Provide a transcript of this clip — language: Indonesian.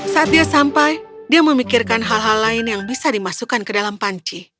saat dia sampai dia memikirkan hal hal lain yang bisa dimasukkan ke dalam panci